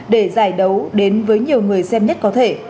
để giải đấu đến với nhiều người xem nhất có thể